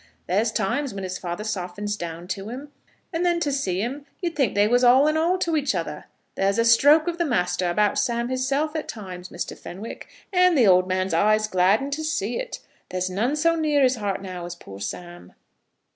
There's times when his father softens down to him, and then to see 'em, you'd think they was all in all to each other. There's a stroke of the master about Sam hisself, at times, Mr. Fenwick, and the old man's eyes gladden to see it. There's none so near his heart now as poor Sam."